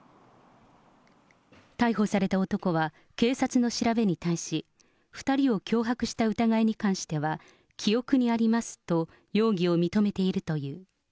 逮捕された男は、警察の調べに対し、２人を脅迫した疑いに関しては、記憶にありますと、容疑を認めているという。